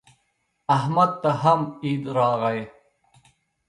احمد ته هم عید راغی.